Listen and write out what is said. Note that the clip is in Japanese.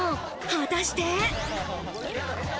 果たして。